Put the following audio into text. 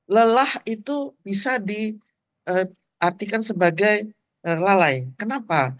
lelah itu bisa diartikan sebagai lalai kenapa